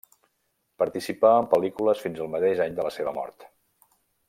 Participà en pel·lícules fins al mateix any de la seva mort.